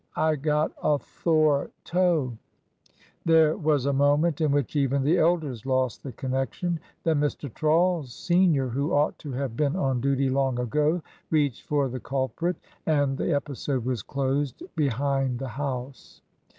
I got a thore toe !" There was a moment in which even the elders lost the connection. Then Mr. Trawles, Sr., who ought to have been on duty long ago, reached for the culprit, and the episode was closed — behind the house.